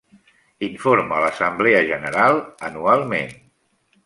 Informa l'assemblea general anualment.